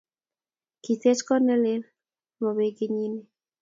Kiteche kot ne lel ama pek kenyini